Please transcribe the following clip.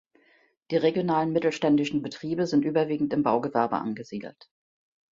Die regionalen mittelständischen Betriebe sind überwiegend im Baugewerbe angesiedelt.